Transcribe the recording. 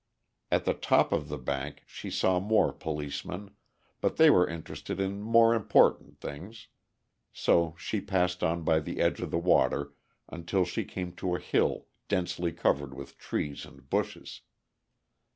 At the top of the bank she saw more policemen, but they were interested in more important things; so she passed on by the edge of the water until she came to a hill densely covered with trees and bushes.